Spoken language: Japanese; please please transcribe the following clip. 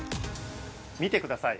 見てください。